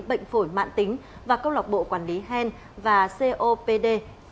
bệnh phổi mạng tính và câu lọc bộ quản lý hen và copd